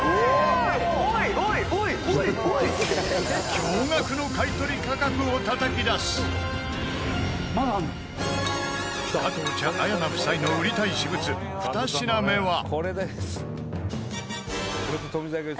驚愕の買取価格をたたき出す加藤茶、綾菜夫妻の売りたい私物、２品目は伊達：これです。